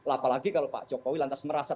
apalagi kalau pak jokowi lantas merasa